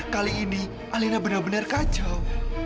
kali ini alina benar benar kacau